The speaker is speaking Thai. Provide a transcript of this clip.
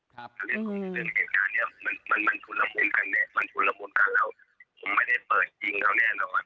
เรื่องของแกรการเนี่ยมันฉุนละมุมค่ะเนี่ยมันฉุนละมุมค่ะเนี่ย